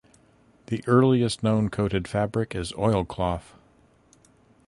The earliest known coated fabric is Oilcloth.